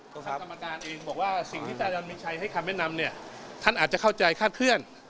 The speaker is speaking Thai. ทางกรรมการเองบอกว่าสิ่งที่อาจารย์มีชัยให้คำแนะนำเนี่ยท่านอาจจะเข้าใจคาดเคลื่อน